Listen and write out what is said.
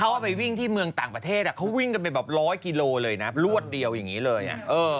เขาเอาไปวิ่งที่เมืองต่างประเทศเขาวิ่งกันไปแบบร้อยกิโลเลยนะรวดเดียวอย่างนี้เลย